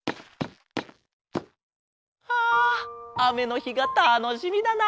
ああめのひがたのしみだな！